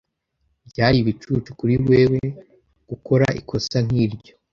Byari ibicucu kuri wewe gukora ikosa nkiryo.